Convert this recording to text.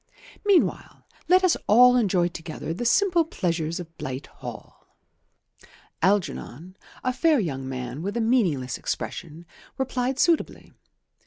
Meanwhile let us all enjoy together the simple pleasures of Blight Hall." Algernon, a fair young man with a meaningless expression, replied suitably.